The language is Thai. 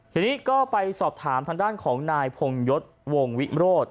ทีนี้ก็ไปสอบถามทางด้านของนายพงยศวงวิโรธ